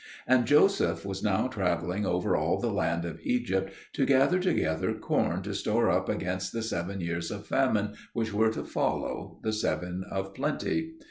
And Joseph was now travelling over all the land of Egypt to gather together corn to store up against the seven years of famine which were to follow the seven of plenty.